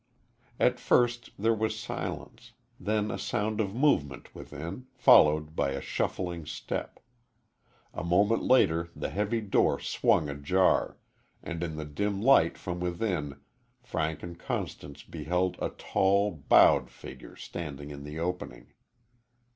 At first there was silence, then a sound of movement within, followed by a shuffling step. A moment later the heavy door swung ajar, and in the dim light from within Frank and Constance beheld a tall bowed figure standing in the opening.